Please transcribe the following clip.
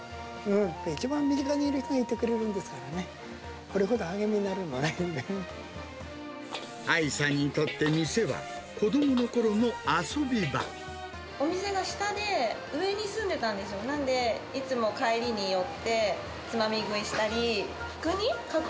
一番身近にいる人がいてくれるんですからね、これほど励みになる愛さんにとって店は、お店が下で、上に住んでたんですよ、なんでいつも帰りに寄って、つまみ食いしたり。